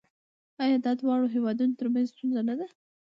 آیا دا د دواړو هیوادونو ترمنځ ستونزه نه ده؟